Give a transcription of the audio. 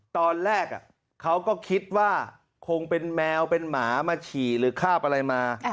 ตอนแรกเขาก็คิดว่าคงเป็นแมวเป็นหมามาฉี่หรือคาบอะไรมา